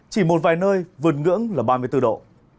chỉ một vài nơi vượt ngưỡng là ba mươi bốn độ